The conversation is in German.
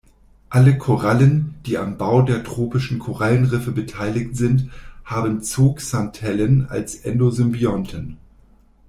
Alle Korallen, die am Bau der tropischen Korallenriffe beteiligt sind, haben Zooxanthellen als Endosymbionten.